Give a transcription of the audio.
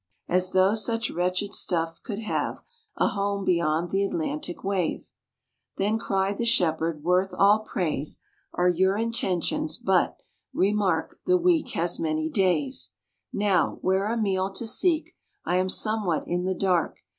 As though such wretched stuff could have A home beyond the Atlantic wave! Then cried the Shepherd, "Worth all praise Are your intentions; but, remark, the week Has many days. Now, where a meal to seek I am somewhat in the dark.